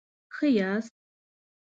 ښه یاست؟